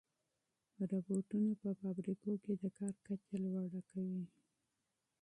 روبوټونه په فابریکو کې د کار کچه لوړه کوي.